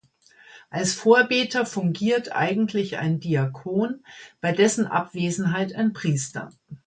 Als Vorbeter fungiert eigentlich ein Diakon, bei dessen Abwesenheit ein Priester.